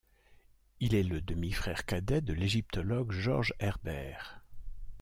Il est le demi-frère cadet de l'égyptologue George Herbert.